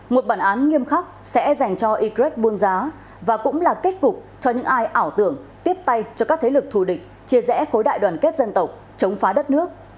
một bản án nghiêm khắc sẽ dành cho y greg buôn giá và cũng là kết cục cho những ai ảo tưởng tiếp tay cho các thế lực thù địch chia rẽ khối đại đoàn kết dân tộc chống phá đất nước